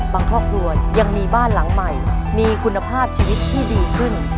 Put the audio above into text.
ครอบครัวยังมีบ้านหลังใหม่มีคุณภาพชีวิตที่ดีขึ้น